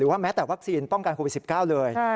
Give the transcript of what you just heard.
แม้แต่วัคซีนป้องกันโควิด๑๙เลย